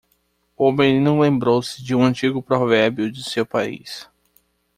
O menino lembrou-se de um antigo provérbio de seu país.